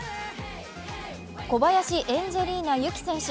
小林エンジェリーナ優姫選手。